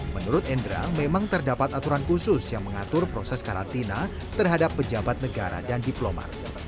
menurut endra memang terdapat aturan khusus yang mengatur proses karantina terhadap pejabat negara dan diplomat